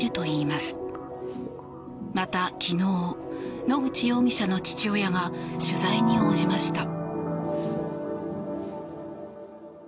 また昨日、野口容疑者の父親が取材に応じました。